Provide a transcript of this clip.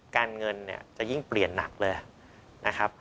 การเงินจะยิ่งเปลี่ยนนักเลยนะครับ